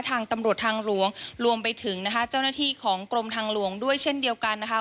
ทางตำรวจทางหลวงรวมไปถึงนะคะเจ้าหน้าที่ของกรมทางหลวงด้วยเช่นเดียวกันนะคะ